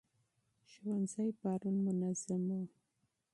ښوونځي پرون منظم وو.